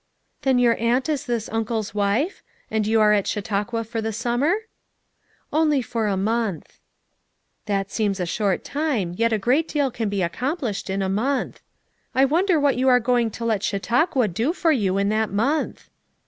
"Then your aunt is this uncle's wife? And you are at Chautauqua for the summer?" "Only for a month." "That seems a short time, yet a great deal can be accomplished in a month. I wonder what you are going to let Chautauqua do for you in that month?"